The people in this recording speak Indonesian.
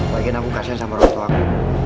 lagian aku kasian sama orangtuaku